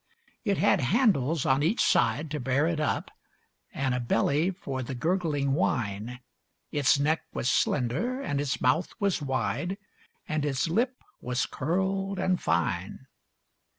It had handles on each side to bear it up, And a belly for the gurgling wine. Its neck was slender, and its mouth was wide, And its lip was curled and fine.